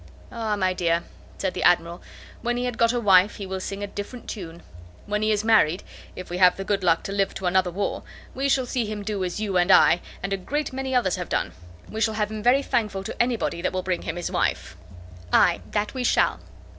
"Ah! my dear," said the Admiral, "when he had got a wife, he will sing a different tune. When he is married, if we have the good luck to live to another war, we shall see him do as you and I, and a great many others, have done. We shall have him very thankful to anybody that will bring him his wife." "Ay, that we shall."